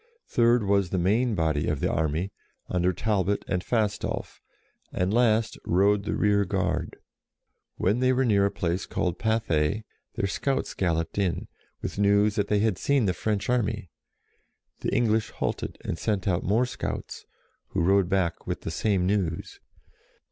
Third was the main body of the army, under Talbot and Fastolf; and last rode the rear guard. When they were near a place called Pathay, their scouts galloped in, with news that they had seen the French army. The English halted, and sent out more scouts, who rode back with the same news.